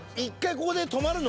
ここで泊まるの？